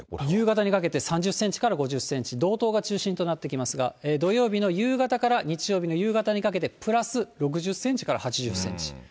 夕方にかけて３０センチから５０センチ、道東が中心となってきますが、土曜日の夕方から日曜日の夕方にかけてプラス６０センチから８０センチ。